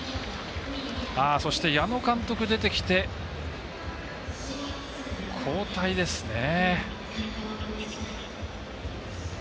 そして、矢野監督が出てきて交代ですね。